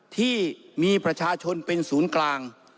ที่มีประชาชนเป็นศูนย์กลาง